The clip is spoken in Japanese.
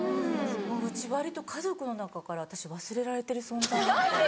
うち割と家族の中から私忘れられてる存在なんで。